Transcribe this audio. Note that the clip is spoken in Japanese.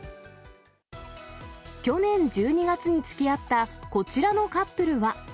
去年１２月につきあったこちらのカップルは。